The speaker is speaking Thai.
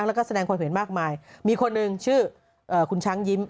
แล้วก็แสดงความเห็นมากมายมีคนหนึ่งชื่อคุณช้างยิ้ม